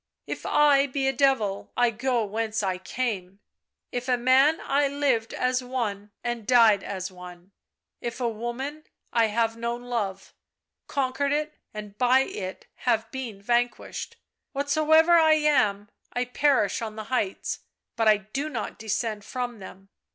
" If I be a devil I go whence I came, if a man I lived as one and die as one, if woman I have known Love, conquered it and by it have been vanquished. What soever I am, I perish on the heights, but I do not descend from them.